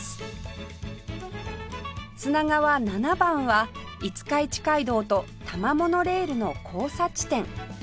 砂川七番は五日市街道と多摩モノレールの交差地点